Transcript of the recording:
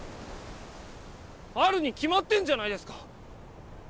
あるに決まってんじゃないですか！